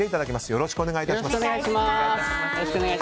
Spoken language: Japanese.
よろしくお願いします。